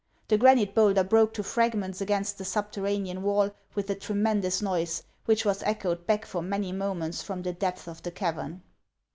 The granite bowlder broke to fragments against the subterranean wall with a tremen dous noise, which was echoed back for many moments from the depths of the cavern.